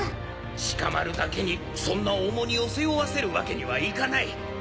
シカマルだけにそんな重荷を背負わせるわけにはいかない。